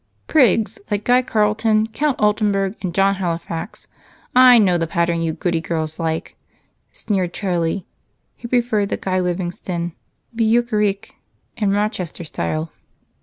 "Prigs, like Guy Carleton, Count Altenberg, and John Halifax I know the pattern you goody girls like," sneered Charlie, who preferred the Guy Livingston, Beauclerc, and Rochester style.